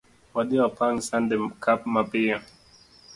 Wadhii wapang sande ka mapiyo